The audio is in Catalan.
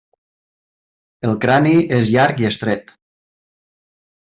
El crani és llarg i estret.